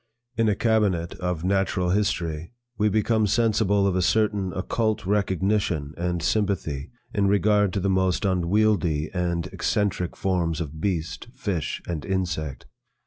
In a cabinet of natural history, we become sensible of a certain occult recognition and sympathy in regard to the most unwieldly and eccentric forms of beast, fish, and insect.